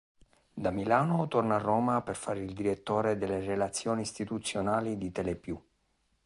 Da Milano torna a Roma per fare il direttore delle relazioni istituzionali di Telepiù.